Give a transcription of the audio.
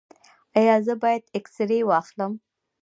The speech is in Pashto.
ایا زه باید اکسرې واخلم؟